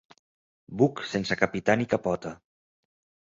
Buc sense capità ni capota.